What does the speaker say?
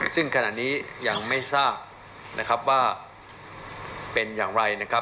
ซึ่งขณะนี้อย่างไม่ทราบว่าเป็นอย่างไร